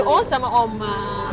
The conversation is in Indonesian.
oh sama oma